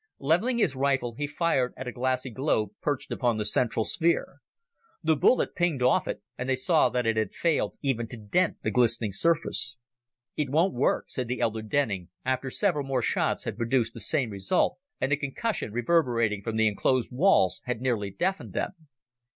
Leveling his rifle, he fired at a glassy globe perched upon the central sphere. The bullet pinged off it, and they saw that it had failed even to dent the glistening surface. "It won't work," said the elder Denning, after several more shots had produced the same result and the concussion reverberating from the enclosed walls had nearly deafened them.